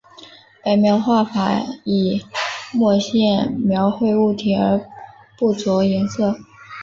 白描画法以墨线描绘物体而不着颜色。